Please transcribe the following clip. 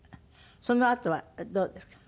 そのあとはどうですか？